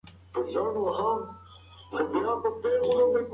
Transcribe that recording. هغوی په لومړي پړاو کې له ناکامۍ سره مخ کېږي.